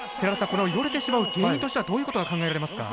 これはよれてしまう原因としてはどういうことが考えられますか。